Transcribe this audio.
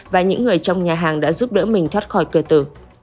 và những người trong nhà hàng đã giúp đỡ mình thoát khỏi cửa tử